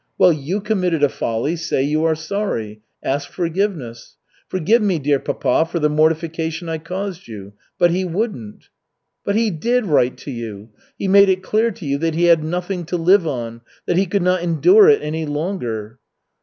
Well, you committed a folly say you are sorry. Ask forgiveness! 'Forgive me, dear papa, for the mortification I caused you.' But he wouldn't!" "But he did write to you. He made it clear to you that he had nothing to live on, that he could not endure it any longer."